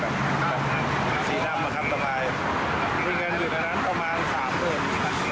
มีเงินอยู่ทั้งหมดและเอกสารทั้งหมด